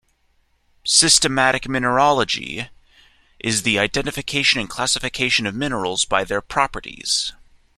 Systematic mineralogy is the identification and classification of minerals by their properties.